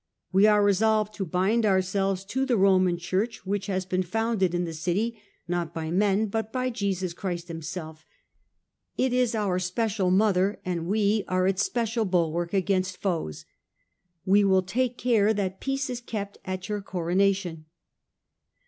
We are re solved to bind ourselves to the Roman Church, which has been founded in the city, not by men, but by Jesus Christ Himself : it is our special mother and we are its special bulwark against foes. We will take care that peace be kept at your Coronation."